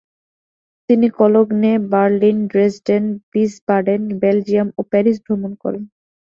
তিনি Cologne, Berlin, Dresden, Wiesbaden, Belgium ও Paris ভ্রমণ করেন।